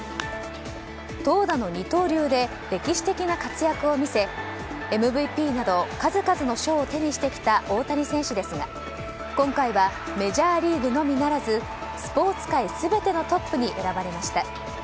投打の二刀流で歴史的な活躍を見せＭＶＰなど、数々の賞を手にしてきた大谷選手ですが今回はメジャーリーグのみならずスポーツ界全てのトップに選ばれました。